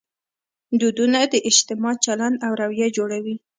دودونه د اجتماع چلند او رویه جوړوي.